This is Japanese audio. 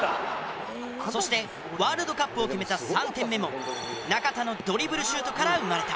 そしてワールドカップを決めた３点目も中田のドリブルシュートから生まれた。